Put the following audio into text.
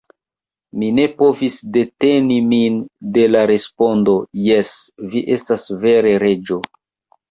Mi ne povis deteni min de la respondo: "Jes, vi estas vere Reĝo."